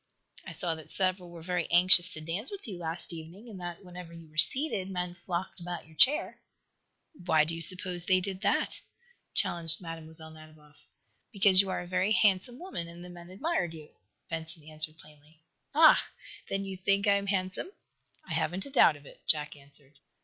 "I saw that several were very anxious dance with you last evening, and that, whenever you were seated, men flocked about your chair." "Why do you suppose they did that?" challenged Mlle. Nadiboff. "Because you are a very handsome woman, and the men admired you," Benson answered, plainly. "Ah! Then you think I am handsome?" "I haven't a doubt of it," Jack answered.